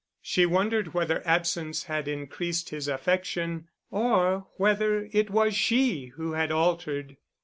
She wondered whether absence had increased his affection, or whether it was she who had altered.